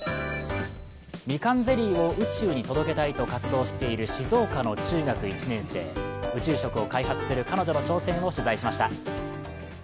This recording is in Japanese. みかんゼリーを宇宙に届けたいと活動している静岡の中学１年生、宇宙食を開発する彼女の挑戦を取材しました。